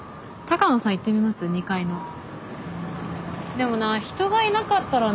でもな人がいなかったらな。